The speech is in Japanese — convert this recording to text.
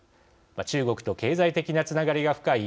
中国と経済的なつながりが深い